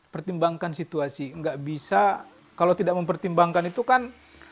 pertimbangkan situasi nggak bisa kalau tidak mempertimbangkan itu kan